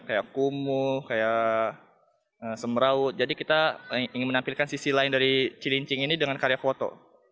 kayak kumuh kayak semraut jadi kita ingin menampilkan sisi lain dari cilincing ini dengan karya foto